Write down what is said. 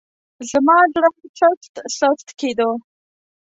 زما زړه سست سست کېدو.